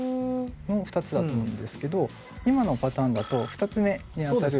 の２つだと思うんですけど今のパターンだと２つ目に当たる。